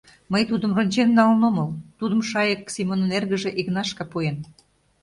— Мый тудым рончен налын омыл, тудым Шайык Семонын эргыже Игнашка пуэн.